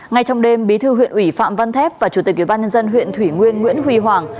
ngay trong đêm bí thư huyện ủy phạm văn thép và chủ tịch ubnd huyện thủy nguyên nguyễn huy hoàng